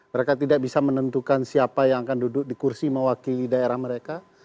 mereka tidak bisa menentukan siapa yang akan duduk di kursi mewakili daerah mereka